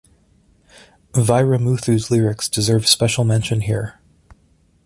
Vairamuthu's lyrics deserve special mention here.